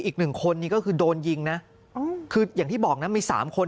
อีกหนึ่งคนนี่ก็คือโดนยิงนะคืออย่างที่บอกนะมี๓คน